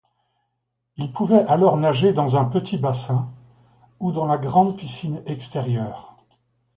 Ils pouvaient alors nager dans un petit bassin ou dans la grande piscine extérieure.